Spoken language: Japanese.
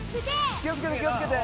気をつけて気をつけて。